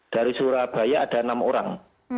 dari surabaya ada enam orang